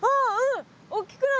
おっきくなる！